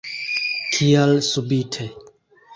Kial subite.